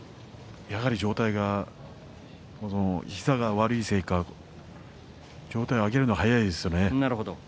やはり膝が悪いせいか上体を上げるのが早いですよね。